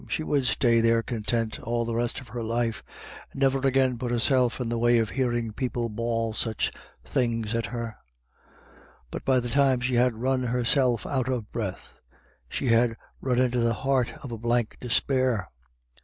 " she would stay there content all the rest of her life, and never again put herself in the way of hearing people bawl such things at her. But by the time she had run herself out of breath, she had run into the heart of a blank despair.